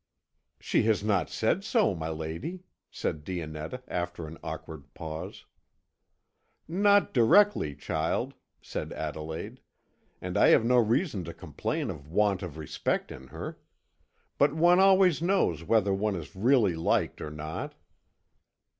"She has not said so, my lady," said Dionetta after an awkward pause. "Not directly, child," said Adelaide, "and I have no reason to complain of want of respect in her. But one always knows whether one is really liked or not."